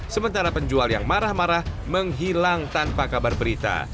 sementara penjual yang marah marah menghilang tanpa kabar berita